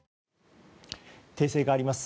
訂正があります。